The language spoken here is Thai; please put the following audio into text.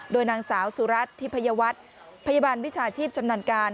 โดยนางสาวสุรัตนทิพยวัฒน์พยาบาลวิชาชีพชำนาญการ